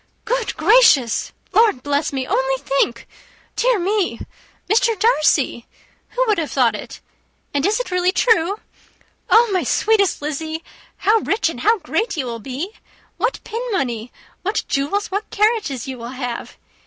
"Good gracious! Lord bless me! only think! dear me! Mr. Darcy! Who would have thought it? And is it really true? Oh, my sweetest Lizzy! how rich and how great you will be! What pin money, what jewels, what carriages you will have!